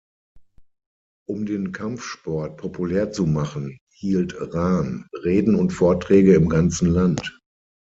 Um den Kampfsport populär zu machen, hielt Rahn Reden und Vorträge im ganzen Land.